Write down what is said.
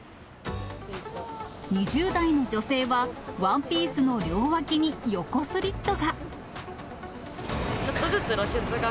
２０代の女性は、ワンピースの両脇に横スリットが。